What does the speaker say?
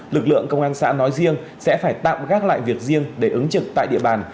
lực lượng công an xã nói riêng sẽ phải tạm gác lại việc riêng để ứng trực tại địa bàn